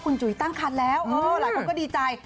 คุณจุ๋ยตั้งคันแล้วหลายคนก็ดีใจ